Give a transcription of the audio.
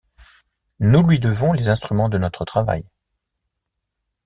Nous lui devons les instruments de notre travail.